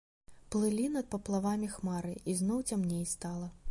Плылі над паплавамі хмары, і зноў цямней стала.